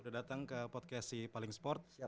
udah datang ke podcast si paling sport